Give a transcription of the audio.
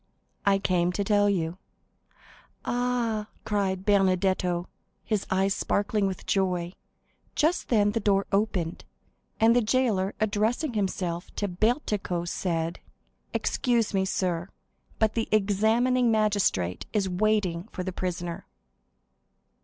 "I came to tell you." "Ah," cried Benedetto, his eyes sparkling with joy. Just then the door opened, and the jailer, addressing himself to Bertuccio, said: "Excuse me, sir, but the examining magistrate is waiting for the prisoner."